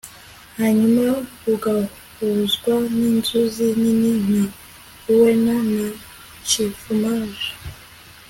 hanyuma rugahuzwa n'inzuzi nini nka luena na chifumage